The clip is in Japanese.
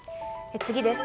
次です。